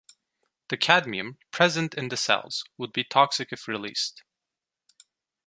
The cadmium present in the cells would be toxic if released.